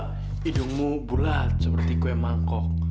hidungmu bulat seperti kue mangkok